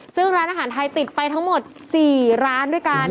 ซึ่งร้านอาหารไทยติดไปทั้งหมด๔ร้านด้วยกัน